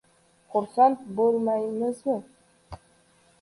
Xursand bo‘lmaymizmi?